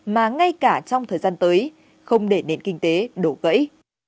mà ngay cả trong thời gian tới không để nền kinh tế đổ gãy